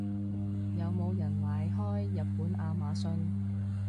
有冇人買開日本亞馬遜？